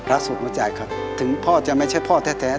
สุดหัวใจครับถึงพ่อจะไม่ใช่พ่อแท้